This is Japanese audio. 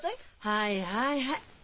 はいはいはい。